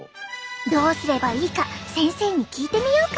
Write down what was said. どうすればいいか先生に聞いてみようか。